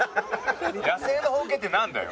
野生のホウケイってなんだよ。